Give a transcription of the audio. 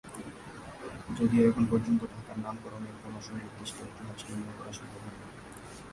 যদিও এখন পর্যন্ত ঢাকার নামকরণের কোনো সুনির্দিষ্ট ইতিহাস নির্ণয় করা সম্ভব হয়নি।